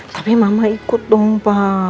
tapi mama ikut dong pak